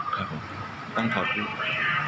ครับครับต้องถอดคลิก